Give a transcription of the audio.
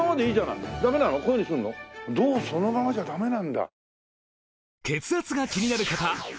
銅そのままじゃダメなんだ。